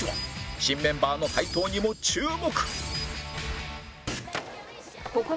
新メンバーの台頭にも注目！